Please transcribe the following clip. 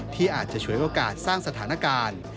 ที่อาจจะฉวยโอกาสสร้างสถานการณ์